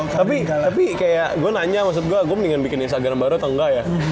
tapi kayak gue nanya maksud gue gue ingin bikin instagram baru atau enggak ya